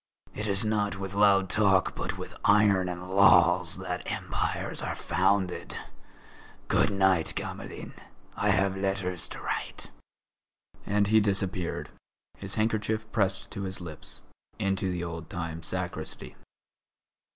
It is not with loud talk but with iron and laws that empires are founded ... good night, Gamelin; I have letters to write." And he disappeared, his handkerchief pressed to his lips, into the old time sacristy.